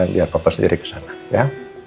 biar papa sendiri kesana ya